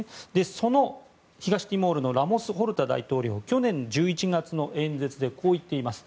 その東ティモールのラモス・ホルタ大統領は去年１１月の演説でこう言っています。